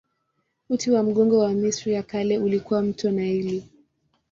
Uti wa mgongo wa Misri ya Kale ulikuwa mto Naili.